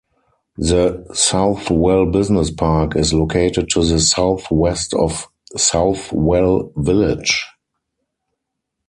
The Southwell Business Park is located to the south-west of Southwell village.